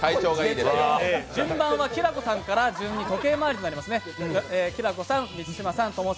順番はきらこさんから順に時計回りです。